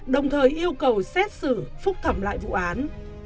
đồng thời yêu cầu xét xử phúc thẩm lại vụ án